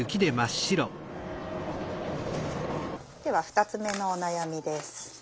では２つ目のお悩みです。